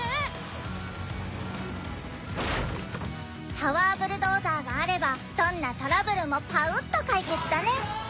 パワーブルドーザーがあればどんなトラブルもパウっと解決だね！